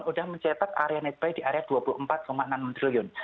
sudah mencetak area netbuy di area dua puluh empat enam triliun